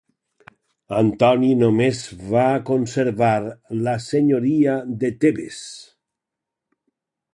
Antoni només va conservar la senyoria de Tebes.